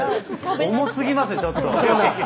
重すぎますねちょっと。